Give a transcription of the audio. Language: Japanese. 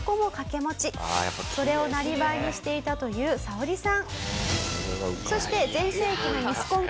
それをなりわいにしていたというサオリさん。